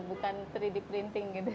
bukan tiga d printing gitu